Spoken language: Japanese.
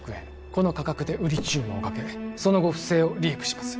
この価格で売り注文をかけその後不正をリークします